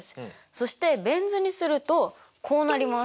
そしてベン図にするとこうなります。